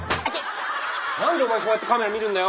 何でお前こうやってカメラ見るんだよ？